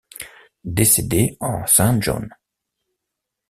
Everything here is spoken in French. Décédé en Saint-John.